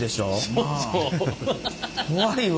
怖いわ。